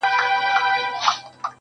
له تودې سینې را وځي نور ساړه وي،